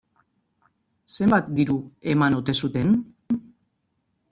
Zenbat diru eman ote zuten?